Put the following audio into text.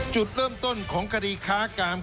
จุดเริ่มต้นของคดีค้ากาม